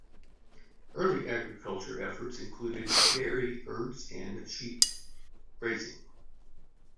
Early agricultural efforts included dairy herds and sheep raising.